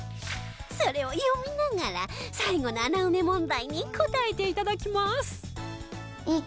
それを読みながら最後の穴埋め問題に答えていただきます